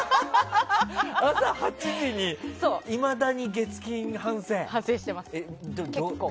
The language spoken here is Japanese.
朝８時にいまだに月金反省？